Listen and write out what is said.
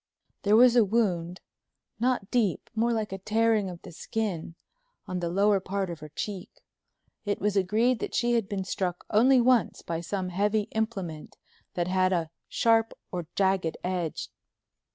There was a wound—not deep, more like a tearing of the skin, on the lower part of her cheek. It was agreed that she had been struck only once by some heavy implement that had a sharp or jagged edge.